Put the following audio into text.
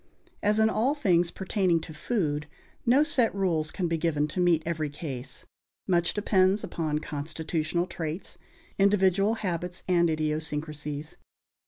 As in all things pertaining to food, no set rules can be given to meet every case; much depends upon constitutional traits, individual habits and idiosyncrasies.